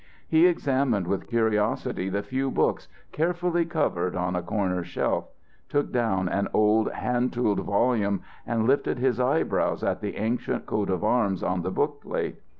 He examined with curiosity the few books carefully covered on a corner shelf, took down an old hand tooled volume and lifted his eyebrows at the ancient coat of arms on the book plate.